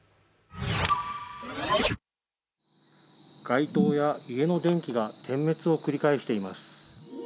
街灯や家の電気が点滅を繰り返しています。